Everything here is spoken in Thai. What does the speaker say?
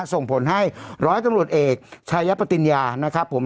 ส่งผลให้ร้อยตำรวจเอกชายปติญญานะครับผม